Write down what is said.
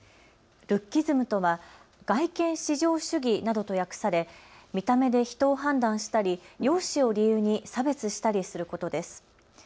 ルッキズムとは外見至上主義などと訳され見た目で人を判断したり容姿を理由に差別したりすることです。